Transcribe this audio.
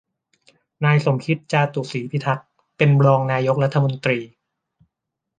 นายสมคิด จาตุศรีพิทักษ์ เป็นรองนายกรัฐมนตรี